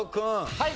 はい。